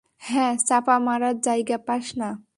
হ্যাঁ, চাপা মারার জায়গা পাস না!